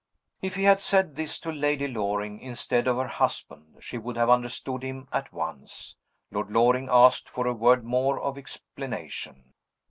If he had said this to Lady Loring, instead of to her husband, she would have understood him at once. Lord Loring asked for a word more of explanation.